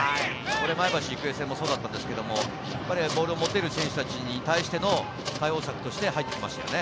前橋育英戦もそうだったですけど、ボールを持てる選手たちに対しての対応策として入ってきましたね。